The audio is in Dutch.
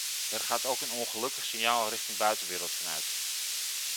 Er gaat ook een ongelukkig signaal richting buitenwereld van uit.